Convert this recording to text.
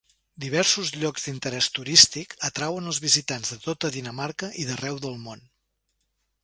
Diversos llocs d'interès turístic atrauen els visitants de tota Dinamarca i d'arreu del món.